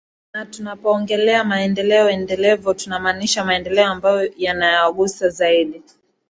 na tunapo ongelea maendeleo endelevu tunamaanisha maendeleo ambayo yanawagusa zaidi